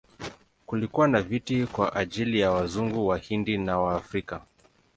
Kulikuwa na viti kwa ajili ya Wazungu, Wahindi na Waafrika.